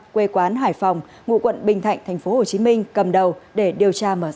quê quán hải phòng ngụ quận bình thạnh tp hcm cầm đầu để điều tra mở rộng